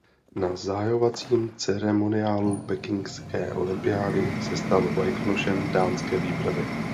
Na zahajovacím ceremoniálu Pekingské olympiády se stal vlajkonošem dánské výpravy.